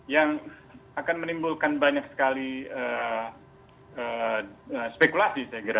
yang akan menimbulkan banyak sekali spekulasi saya kira